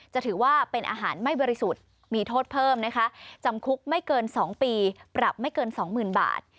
จะถือว่าเป็นอาหารไม่บริสุทธิ์มีโทษเพิ่มนะคะจำคุกไม่เกิน๒ปีปรับไม่เกิน๒๐๐๐บาท